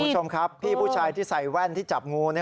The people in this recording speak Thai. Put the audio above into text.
คุณผู้ชมครับพี่ผู้ชายที่ใส่แว่นที่จับงู